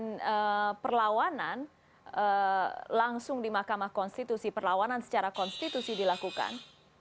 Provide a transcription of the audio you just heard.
dan perlawanan langsung di mahkamah konstitusi perlawanan secara konstitusi dilakukan